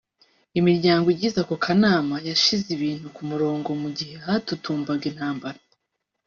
Imiryango igize ako kanama yashyize ibintu ku murongo mu gihe hatutumbaga intambara